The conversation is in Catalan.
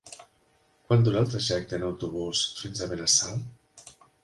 Quant dura el trajecte en autobús fins a Benassal?